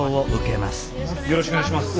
よろしくお願いします。